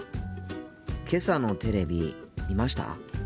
けさのテレビ見ました？